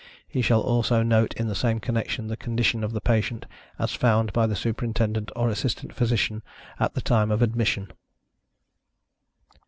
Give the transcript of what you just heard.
He shall also note, in the same connection, the condition of the patient, as found by the Superintendent or Assistant Physician, at the time of admission.